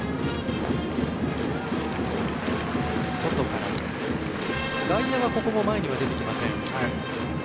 外野はここも前には出てきません。